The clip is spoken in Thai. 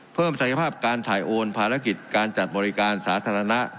ศักยภาพการถ่ายโอนภารกิจการจัดบริการสาธารณะ